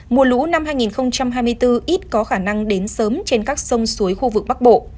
mùa lũ năm hai nghìn hai mươi bốn ít có khả năng đến sớm trên các sông suối khu vực bắc bộ